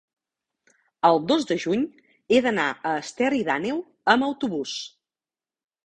el dos de juny he d'anar a Esterri d'Àneu amb autobús.